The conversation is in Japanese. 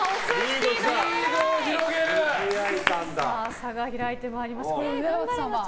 差が開いてまいりました。